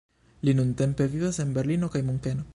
Li nuntempe vivas en Berlino kaj Munkeno.